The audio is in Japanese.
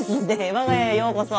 我が家へようこそ。